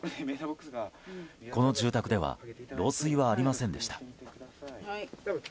この住宅では漏水はありませんでした。